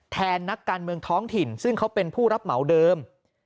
นักการเมืองท้องถิ่นซึ่งเขาเป็นผู้รับเหมาเดิม